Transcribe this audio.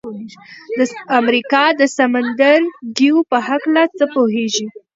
د امریکا د سمندرګیو په هکله څه پوهیږئ؟